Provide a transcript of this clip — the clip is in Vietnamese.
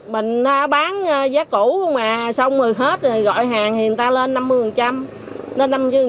mình bán giá cũ mà xong rồi hết rồi gọi hàng thì người ta lên năm mươi